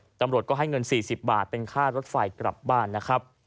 ตำรวจก็ให้เงิน๔๐บาทเป็นค่ารถไฟกลับบ้านนะครับ